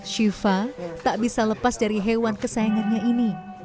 syifa tak bisa lepas dari hewan kesayangannya ini